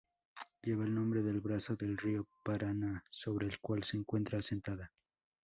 Lleva el nombre del brazo del río Paraná sobre el cual se encuentra asentada.